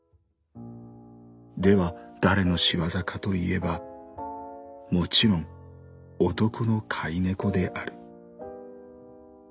では誰の仕業かといえばもちろん男の飼い猫である。